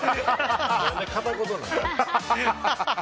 何で片言なん？